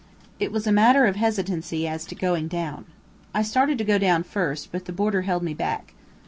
It was a matter of hesitancy as to going down. I started to go down first, but the boarder held me back.